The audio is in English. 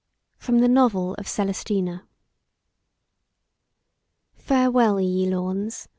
FROM THE NOVEL OF CELESTINA. FAREWELL, ye lawns!